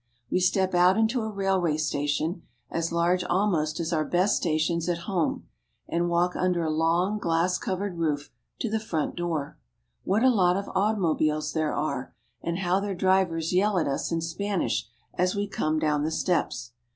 We step out into a railroad station, as large almost as our best stations at home, and walk under a long glass covered roof to the front door. What a lot of automobiles there are, and how their drivers yell at us in Spanish as we come down the steps!